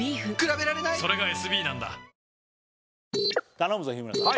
頼むぞ日村さん